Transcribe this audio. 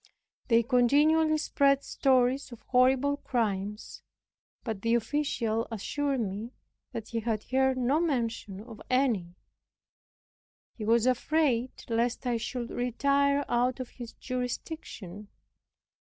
They continually spread stories of horrible crimes; but the official assured me that he had heard no mention of any. He was afraid lest I should retire out of his jurisdiction.